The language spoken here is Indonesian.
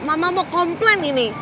mama mau komplain ini